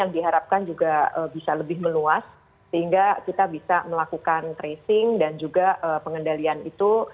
diharapkan juga bisa lebih meluas sehingga kita bisa melakukan tracing dan juga pengendalian itu